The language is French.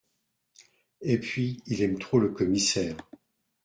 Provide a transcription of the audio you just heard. Et puis il aime trop le commissaire.